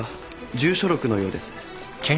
住所録のようです。